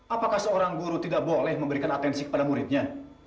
apakah seorang guru tidak boleh memberikan atensi kepada muridnya